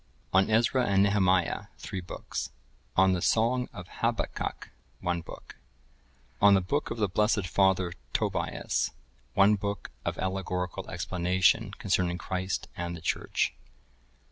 On Ezra and Nehemiah, three books. On the song of Habakkuk, one book. On the Book of the blessed Father Tobias, one Book of Allegorical Explanation concerning Christ and the Church.